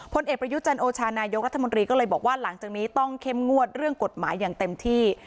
พลเอกประยุจันโอชานายกรัฐมนตรีก็เลยบอกว่าหลังจากนี้ต้องเข้มงวดเรื่องกฎหมายอย่างเต็มที่